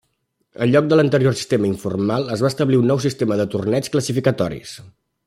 En lloc de l'anterior sistema informal, es va establir un nou sistema de torneigs classificatoris.